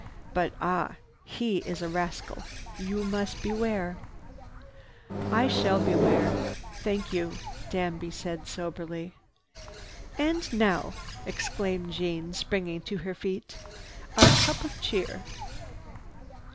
But ah! He is a rascal! You must beware!" "I shall beware. Thank you," Danby said soberly. "And now!" exclaimed Jeanne, springing to her feet, "Our cup of cheer!"